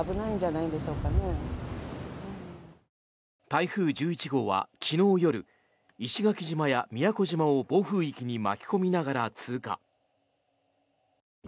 台風１１号は昨日夜石垣島や宮古島を暴風域に巻き込みながら通過。